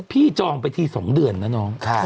พี่จองไปที่๒เดือนแล้วน้อง